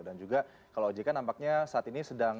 dan juga kalau ojk nampaknya saat ini sedang